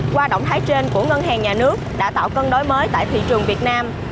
qua động thái trên của ngân hàng nhà nước đã tạo cân đối mới tại thị trường việt nam